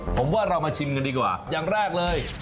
ผมว่าเรามาชิมกันดีกว่าอย่างแรกเลย